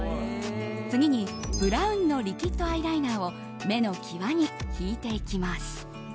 次にブラウンのリキッドアイライナーを目の際に引いていきます。